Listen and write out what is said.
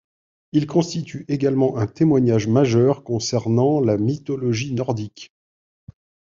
Il constitue également un témoignage majeur concernant la mythologie nordique.